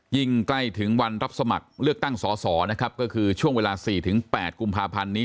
ใกล้ถึงวันรับสมัครเลือกตั้งสอสอนะครับก็คือช่วงเวลา๔๘กุมภาพันธ์นี้